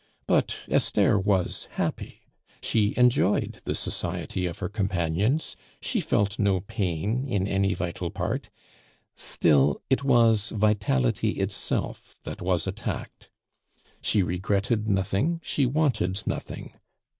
But Esther was happy; she enjoyed the society of her companions; she felt no pain in any vital part; still, it was vitality itself that was attacked. She regretted nothing; she wanted nothing.